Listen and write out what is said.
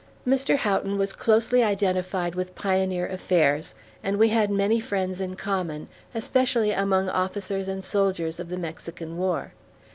Mr. Houghton was closely identified with pioneer affairs, and we had many friends in common, especially among officers and soldiers of the Mexican War.